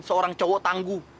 seorang cowok tangguh